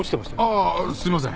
ああすいません。